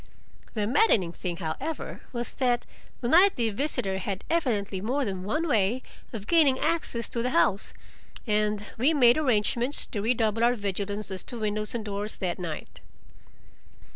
The maddening thing, however, was that the nightly visitor had evidently more than one way of gaining access to the house, and we made arrangements to redouble our vigilance as to windows and doors that night.